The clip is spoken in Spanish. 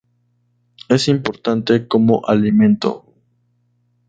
Es importante como alimento.